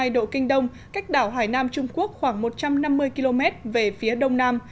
một trăm một mươi một hai độ kinh đông cách đảo hải nam trung quốc khoảng một trăm năm mươi km về phía đông nam